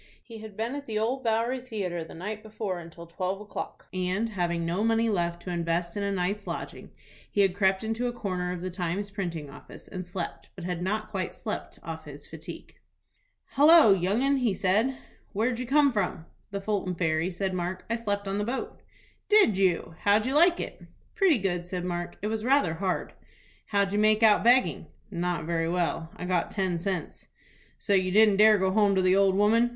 He had been at the Old Bowery Theatre the night before until twelve o'clock, and, having no money left to invest in a night's lodging, he had crept into a corner of the "Times" printing office, and slept, but had not quite slept off his fatigue. "Hallo, young 'un!" said he. "Where did you come from?" "From Fulton Ferry," said Mark. "I slept on the boat." "Did you? How'd you like it?" "Pretty good," said Mark. "It was rather hard." "How'd you make out begging?" "Not very well. I got ten cents." "So you didn't dare to go home to the old woman?"